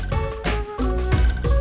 sekarang nause empat